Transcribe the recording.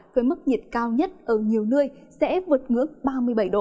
với mức nhiệt cao nhất ở nhiều nơi sẽ vượt ngưỡng ba mươi bảy độ